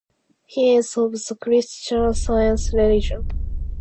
He is of the Christian Science religion.